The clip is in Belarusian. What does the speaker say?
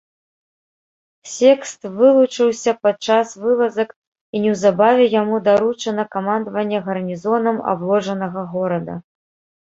Секст вылучыўся падчас вылазак і неўзабаве яму даручана камандаванне гарнізонам абложанага горада.